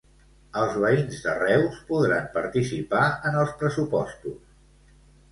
Els veïns de Reus podran participar en els pressupostos.